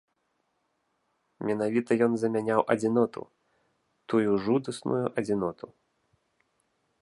Менавіта ён замяняў адзіноту, тую жудасную адзіноту.